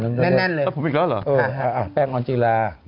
แน่นเลยเออผมอีกแล้วเหรอแป้งออนจีลา